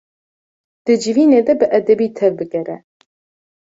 Di civînê de bi edebî tevbigere.